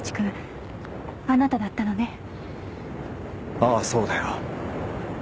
ああそうだよ。